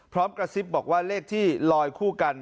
กระซิบบอกว่าเลขที่ลอยคู่กัน